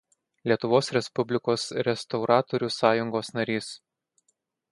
Lietuvos Respublikos restauratorių sąjungos narys.